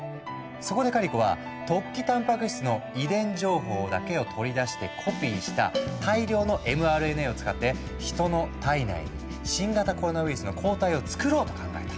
そこでカリコは突起たんぱく質の遺伝情報だけを取り出してコピーした大量のｍＲＮＡを使って人の体内に新型コロナウイルスの抗体をつくろうと考えた。